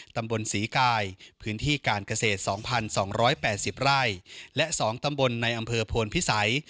ตำบลศรีกายพื้นที่การเกษตร๒๒๘๐ไร่และ๒ตำบลในอำเภอโพนพิสัย